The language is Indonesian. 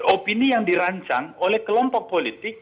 opini yang dirancang oleh kelompok politik